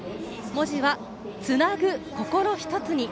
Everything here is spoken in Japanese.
文字は「つなぐ心ひとつに」。